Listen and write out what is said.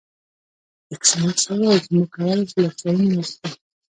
ایس میکس وویل چې موږ کولی شو لکچرونه ورکړو